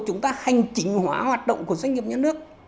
chúng ta hành chính hóa hoạt động của doanh nghiệp nhà nước